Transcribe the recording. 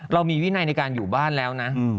เรามีวินัยในการอยู่บ้านแล้วนะ